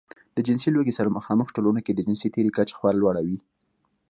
د جنسي لوږې سره مخامخ ټولنو کې د جنسي تېري کچه خورا لوړه وي.